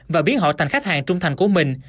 và biến họ thành khách hàng trung thành của mình